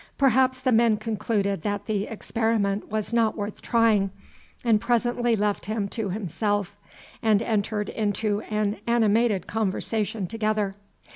Perhaps the men concluded that the experiment was not worth trying, and presently left him to himself, and entered into an animated conversation together.